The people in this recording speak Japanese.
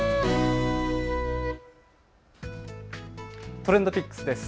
ＴｒｅｎｄＰｉｃｋｓです。